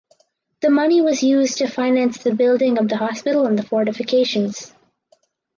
The money was used to finance the building of the hospital and the fortifications.